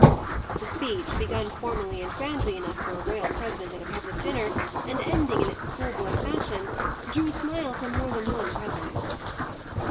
The speech, begun formally and grandly enough for a royal president at a public dinner, and ending in its schoolboy fashion, drew a smile from more than one present.